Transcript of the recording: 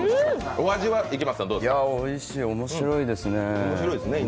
おいしい、面白いですね。